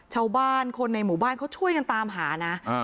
ชาวบ้านคนในหมู่บ้านเขาช่วยกันตามหานะ